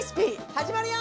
始まるよ！